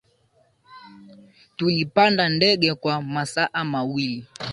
Tulipanda ndege kwa masaa mawili